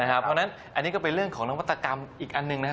เพราะฉะนั้นอันนี้ก็เป็นเรื่องของนวัตกรรมอีกอันหนึ่งนะครับ